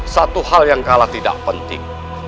satu hal yang kalah tidak penting